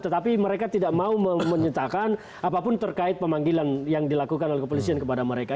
tetapi mereka tidak mau menyatakan apapun terkait pemanggilan yang dilakukan oleh kepolisian kepada mereka